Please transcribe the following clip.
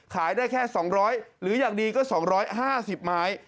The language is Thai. ขายได้แค่๒๐๐หรืออย่างดีก็๒๕๐ไม้